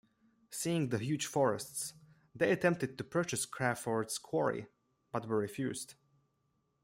Seeing the huge forests, they attempted to purchase Crawford's Quarry but were refused.